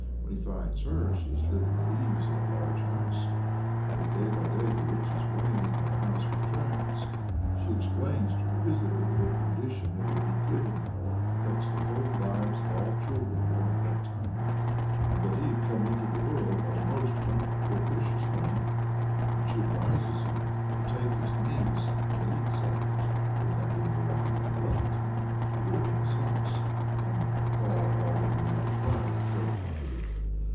When he finds her, she is living at ease in a large house, but day by day her riches wane and her house contracts. She explains to her visitor that her condition at any given hour affects the whole lives of all children born at that time, and that he had come into the world at a most unpropitious moment; and she advises him to take his niece Militsa (who had been born at a lucky time) to live in his house, and to call all he might acquire her property.